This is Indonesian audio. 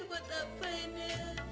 buat apain ya